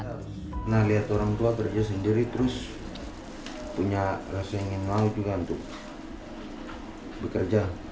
nah lihat orang tua kerja sendiri terus punya rasa ingin mau juga untuk bekerja